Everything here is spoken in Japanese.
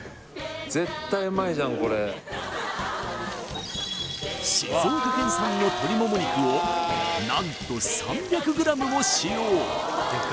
絶対うまいじゃんこれ静岡県産の鶏モモ肉をなんと３００ｇも使用！